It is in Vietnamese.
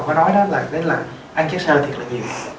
có nói đó đó là ăn chất sơ thiệt là nhiều